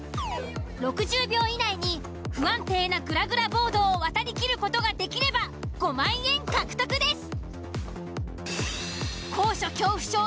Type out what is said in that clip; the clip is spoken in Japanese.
［６０秒以内に不安定なぐらぐらボードを渡りきることができれば５万円獲得です］